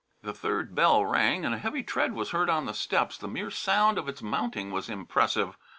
The third bell rang and a heavy tread was heard on the stairs. The mere sound of its mounting was impressive.